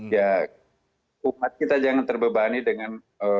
ya umat kita jangan terbebani dengan